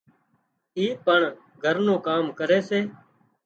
اِي پڻ گھر نُون ڪام ڪري سي